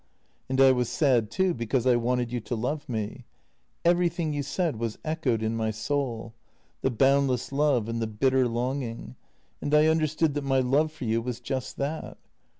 And I was sad too because I wanted you to love me. Everything you said was echoed in my soul — the boundless love and the bitter longing — and I understood that my love for you was just that.